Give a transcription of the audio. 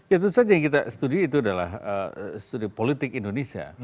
ya tentu saja yang kita studi itu adalah studi politik indonesia